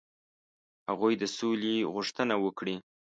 هغوی د سولي غوښتنه وکړي.